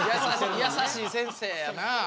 優しい先生やな。